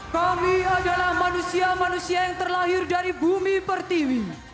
kami adalah manusia manusia yang terlahir dari bumi pertiwi